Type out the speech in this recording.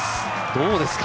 どうですか？